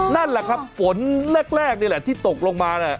นั่นแหละครับฝนแรกนี่แหละที่ตกลงมา